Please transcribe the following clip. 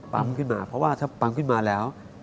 ขึ้นมาเพราะว่าถ้าปั๊มขึ้นมาแล้ว